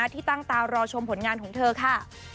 ที่ตั้งตารอชมผลงานของเธอค่ะ